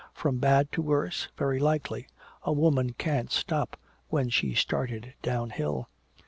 "From bad to worse, very likely. A woman can't stop when she's started downhill."